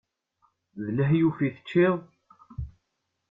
D lehyuf i teččiḍ?